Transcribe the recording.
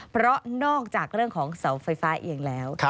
เพราะนอกจากเรื่องของเสาไฟฟ้าเองแล้ว